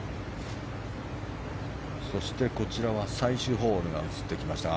そしてこちらは最終ホールが映ってきました。